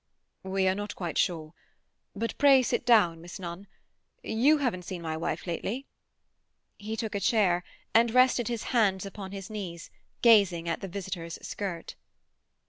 "We are not quite sure—But pray sit down, Miss Nunn. You haven't seen my wife lately?" He took a chair, and rested his hands upon his knees, gazing at the visitor's skirt.